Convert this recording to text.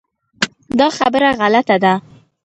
دا خبره غلطه ده .